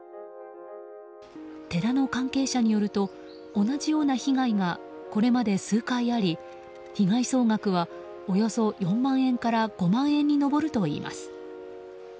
寺の関係者によると同じような被害がこれまで数回あり被害総額はおよそ４万円から５万円に上るといいます。